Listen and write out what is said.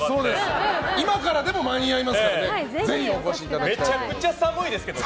今からでも間に合いますからぜひお越しいただきたい。